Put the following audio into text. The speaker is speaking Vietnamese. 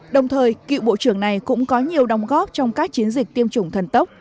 đồng thời cựu bộ trưởng này cũng có nhiều đóng góp trong các chiến dịch tiêm chủng thần tốc